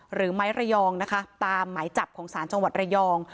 หรือไม้ระยองนะคะตามหมายจับของศาลจังหวัดระยอง